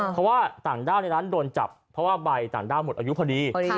เพราะว่าต่างด้าวในร้านโดนจับเพราะว่าใบต่างด้าวหมดอายุพอดี